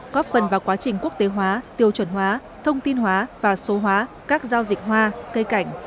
góp phần vào quá trình quốc tế hóa tiêu chuẩn hóa thông tin hóa và số hóa các giao dịch hoa cây cảnh